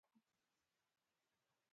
ایا زه باید د کوترې غوښه وخورم؟